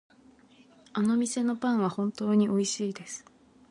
あの店のパンは本当においしいです。